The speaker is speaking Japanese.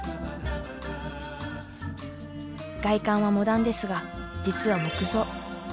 外観はモダンですが実は木造。